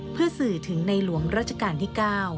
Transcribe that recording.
เพื่อสื่อถึงในหลวงราชการที่๙